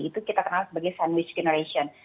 itu kita kenal sebagai sandwich generation